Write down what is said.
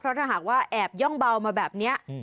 ถ้าหากว่าแอบย่องเบามาแบบนี้